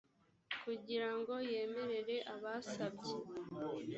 kugira ngo yemerere abasabye